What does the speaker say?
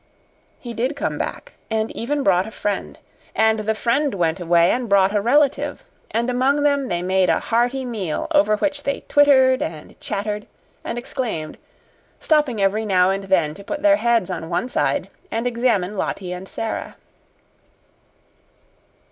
He did come back, and even brought a friend, and the friend went away and brought a relative, and among them they made a hearty meal over which they twittered and chattered and exclaimed, stopping every now and then to put their heads on one side and examine Lottie and Sara.